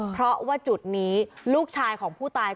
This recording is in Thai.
เพราะว่าจุดนี้ลูกชายของผู้ตาย